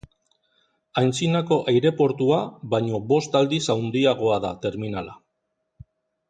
Antzinako aireportua baino bost aldiz handiagoa da terminala.